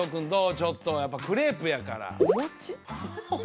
ちょっとやっぱクレープやからお餅？